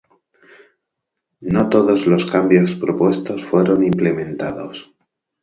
No todos los cambios propuestos fueron implementados.